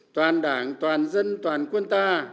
toàn đảng toàn dân toàn quân ta